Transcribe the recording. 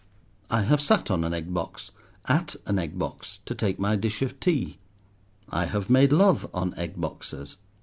I have sat on an egg box at an egg box to take my dish of tea. I have made love on egg boxes.